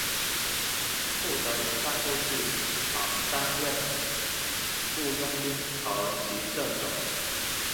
库德人在过去常担任雇佣兵和骑射手。